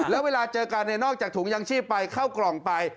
แล้วเวลาเจอกันเนี่ยนอกจากถุงยังชีพไปเข้ากล่องไป